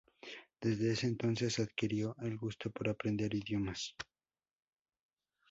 Desde ese entonces, adquirió el gusto por aprender idiomas.